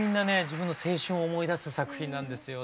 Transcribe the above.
自分の青春を思い出す作品なんですよ。